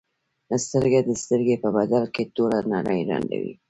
سترګه د سترګې په بدل کې ټوله نړۍ ړندوي.